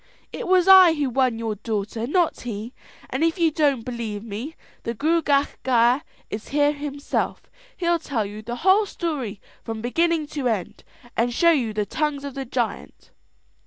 "It was I who won your daughter, not he; and if you don't believe me, the Gruagach Gaire is here himself. He'll tell you the whole story from beginning to end, and show you the tongues of the giant."